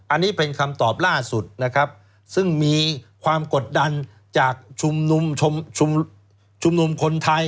อันนี้เป็นคำตอบล่าสุดนะครับซึ่งมีความกดดันจากชุมนุมชุมนุมคนไทย